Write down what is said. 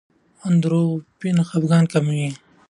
اندورفین خپګان کموي.